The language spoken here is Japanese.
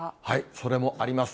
それもあります。